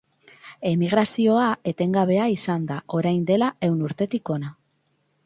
Emigrazioa etengabea izan da orain dela ehun urtetik hona.